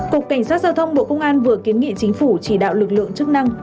cục cảnh sát giao thông bộ công an vừa kiến nghị chính phủ chỉ đạo lực lượng chức năng